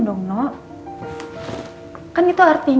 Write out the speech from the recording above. kan itu artinya mbak andien udah gak bisa egois lagi